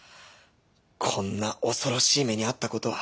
こんな恐ろしい目に遭った事は